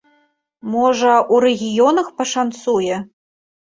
Можа, у рэгіёнах пашанцуе?